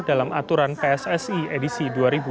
dalam aturan pssi edisi dua ribu dua puluh